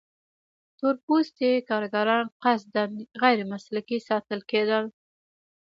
تور پوستي کارګران قصداً غیر مسلکي ساتل کېدل.